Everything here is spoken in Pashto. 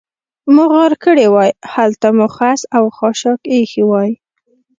مو غار کړې وای، هلته مو خس او خاشاک اېښي وای.